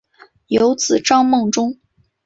有子张孟中。